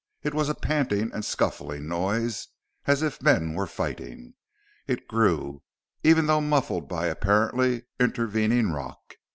It was a panting and scuffling noise, as if men were fighting. It grew, even though muffled by apparently intervening rock.